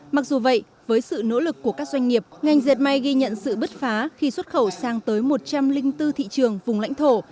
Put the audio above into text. mặc dù vậy với sự nỗ lực của các doanh nghiệp ngành dệt may ghi nhận sự bứt phá khi xuất khẩu sang tới một trăm linh bốn thị trường vùng lãnh thổ